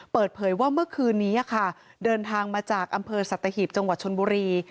เปิดเผยว่าเมื่อคืนนี้ค่ะเดินทางมาจากอำเภอสัตหีบจังหวัดชนบุรี